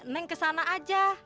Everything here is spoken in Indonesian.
neng kesana aja